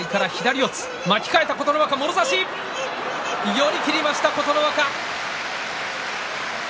寄り切りました、琴ノ若。